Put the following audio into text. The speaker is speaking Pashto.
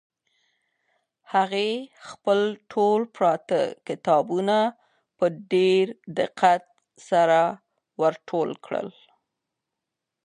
هغې خپل ټول پراته کتابونه په ډېر دقت سره ور ټول کړل.